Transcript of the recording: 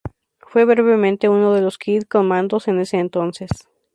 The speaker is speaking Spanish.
Fue brevemente uno de los de Kid Commandos en ese entonces.